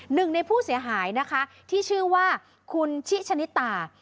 หนึ่งในผู้เสียหายนะคะที่ชื่อว่าคุณชิชนิตา